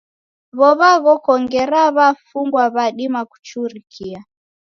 W'ow'a ghoko ngera w'afungwa w'adima kuchurikia.